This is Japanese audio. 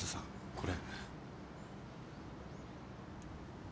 これ。